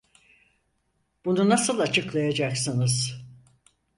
Bunu nasıl açıklayacaksınız?